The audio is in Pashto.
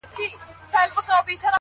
• وروستۍ ورځ ,